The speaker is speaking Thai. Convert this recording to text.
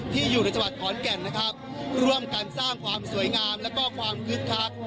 อยู่ในจังหวัดขอนแก่นนะครับร่วมกันสร้างความสวยงามแล้วก็ความคึกคัก